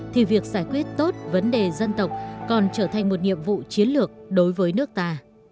thì việc giải quyết tốt vấn đề dân tộc còn trở thành một nhiệm vụ chiến lược đối với nước ta